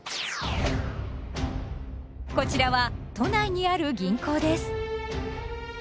こちらは都内にある銀行です。